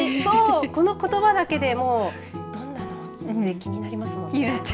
このことばだけでどんなのって気になりますよね。